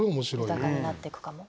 豊かになってくかも。